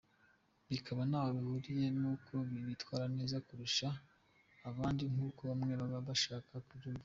"Bikaba ntaho bihuriye nuko bitwara neza kurusha abandi nkuko bamwe baba bashaka kubyumvikanisha".